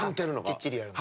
きっちりやるの。